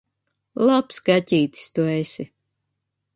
Labs kaķītis tu esi!